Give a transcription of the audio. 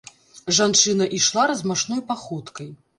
Жанчына ішла размашной паходкай.